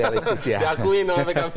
sebenarnya terus diakui dengan pkpi